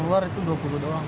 luar itu dua puluh doang